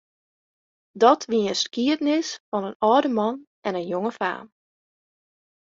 Dat wie in skiednis fan in âlde man en in jonge faam.